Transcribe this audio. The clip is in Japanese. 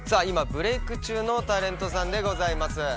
今ブレイク中のタレントさんでございます。